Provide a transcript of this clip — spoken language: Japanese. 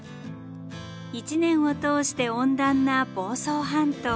一年を通して温暖な房総半島。